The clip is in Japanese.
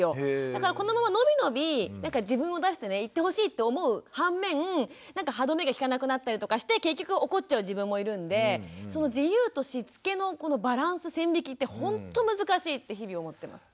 だからこのまま伸び伸び自分を出していってほしいって思う反面なんか歯止めが利かなくなったりとかして結局怒っちゃう自分もいるんでその自由としつけのバランス線引きってほんと難しいって日々思ってます。